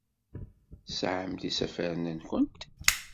Teswamt isafaren-nwent?